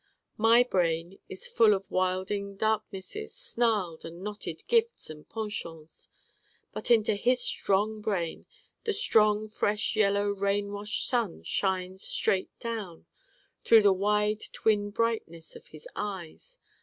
My brain is full of wilding darknesses, snarled and knotted gifts and penchants: but into his strong brain the strong fresh yellow rain washed sun shines straight down through the wide twin brightness of his Eyes.